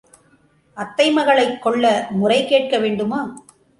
அத்தை மகளைச் கொள்ள முறை கேட்க வேண்டுமா?